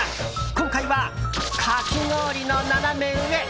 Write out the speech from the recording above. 今回は、かき氷のナナメ上。